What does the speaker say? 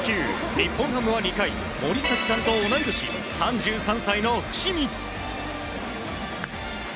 日本ハムは２回森崎さんと同い年３３歳の伏見。